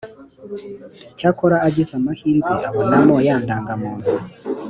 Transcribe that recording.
cyakora agize amahirwe abonamo ya ndangamuntu ,